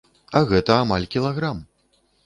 А гэта амаль кілаграм!